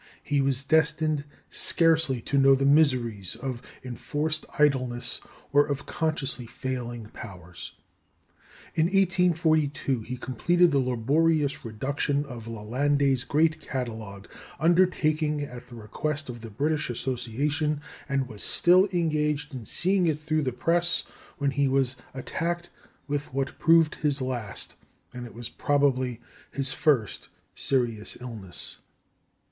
He was destined scarcely to know the miseries of enforced idleness or of consciously failing powers. In 1842 he completed the laborious reduction of Lalande's great catalogue, undertaken at the request of the British Association, and was still engaged in seeing it through the press when he was attacked with what proved his last, as it was probably his first serious illness.